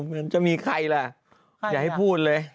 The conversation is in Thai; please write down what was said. เหมือนจะมีใครล่ะอย่าให้พูดเลย